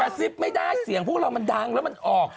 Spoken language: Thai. ซิบไม่ได้เสียงพวกเรามันดังแล้วมันออก